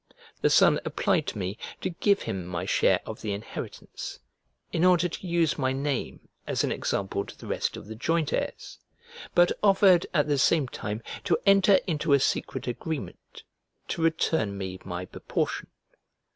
The son applied to me to give him my share of the inheritance, in order to use my name as an example to the rest of the joint heirs, but offered at the same time to enter into a secret agreement to return me my proportion.